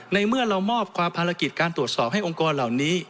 ในเมื่อเรามอบความภารกิจการตรวจสอบให้องค์กรเหล่านี้